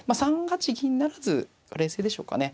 ３八銀不成が冷静でしょうかね。